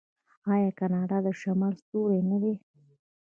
آیا کاناډا د شمال ستوری نه دی؟